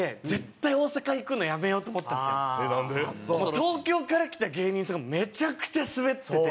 東京から来た芸人さんがめちゃくちゃスベってて。